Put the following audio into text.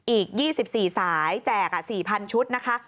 อีก๒๔สายแจก๔๐๐ชุดนะคะ